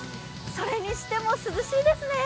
それにしても涼しいですね。